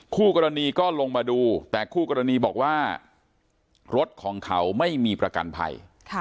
คู่กรณีก็ลงมาดูแต่คู่กรณีบอกว่ารถของเขาไม่มีประกันภัย